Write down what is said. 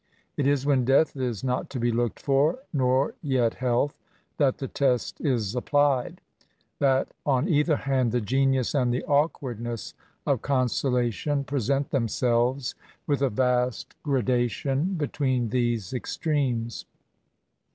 It is when death is not to be looked for, nor yet health, that the test is applied; that, on either hand, the genius and the awkwardness of consolation present themselves, with a vast gra dation between these extremes.